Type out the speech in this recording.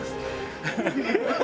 ハハハハ！